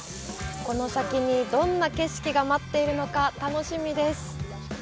この先にどんな景色が待っているのか楽しみです！